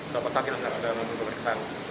berkata bahwa berapa sahib yang sudah kami buat periksaan